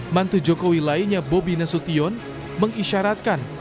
mantu jokowi lainnya bobi nasution mengisyaratkan